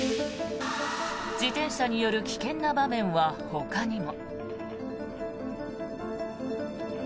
自転車による危険な場面はほかにも。